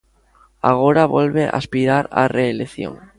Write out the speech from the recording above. Agora volve aspirar á reelección.